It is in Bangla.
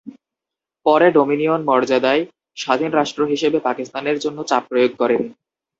তিনি ডমিনিয়ন মর্যাদায় স্বাধীন রাষ্ট্র হিসেবে পাকিস্তানের জন্য চাপ প্রয়োগ করেন।